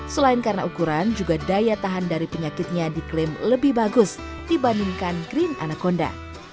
selain karena ukuran juga daya tahan dari penyakitnya diklaim lebih bagus dibandingkan green anaconda